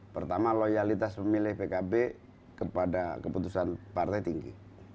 pertama loyalitas pemilih pkb kepada keputusan partai tinggi